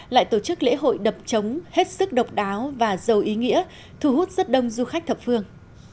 lại tổ chức lễ hội đập chống hết sức độc đáo và giàu ý nghĩa thu hút rất đông du khách thập phương